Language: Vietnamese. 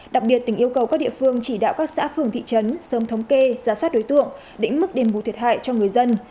đặc biệt tỉnh yêu cầu các địa phương chỉ đạo các xã phường thị trấn sớm thống kê giá soát đối tượng định mức đền bù thiệt hại cho người dân